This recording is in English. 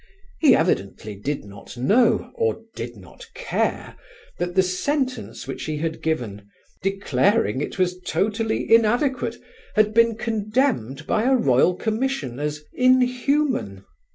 He evidently did not know, or did not care, that the sentence which he had given, declaring it was "totally inadequate," had been condemned by a Royal Commission as "inhuman."